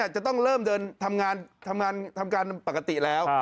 จะต้องเริ่มเดินทำงานปกติแล้ว